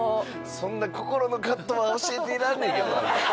そんな心の葛藤は教えていらんねんけど。